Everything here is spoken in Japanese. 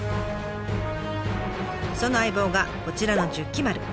その相棒がこちらの十起丸。